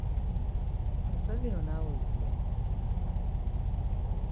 Enswa zino naawe ozirya?